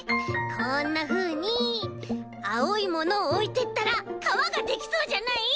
こんなふうにあおいものをおいてったらかわができそうじゃない？